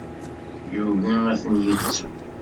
Yugi ad ten-yettu.